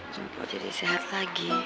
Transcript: gue mampu jadi sehat lagi